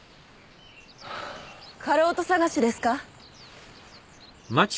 かろうと探しですか？